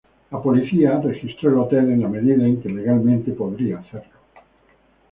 La policía registró el hotel en la medida en que legalmente podría hacerlo.